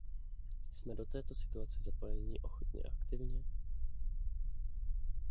Jsme do této situace zapojeni ochotně a aktivně?